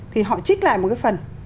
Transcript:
thì họ trích lại một cái phần